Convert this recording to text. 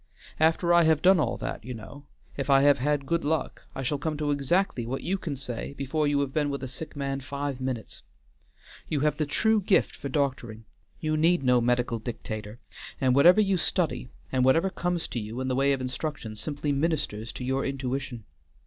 After I have done all that, you know, if I have had good luck I shall come to exactly what you can say before you have been with a sick man five minutes. You have the true gift for doctoring, you need no medical dictator, and whatever you study and whatever comes to you in the way of instruction simply ministers to your intuition.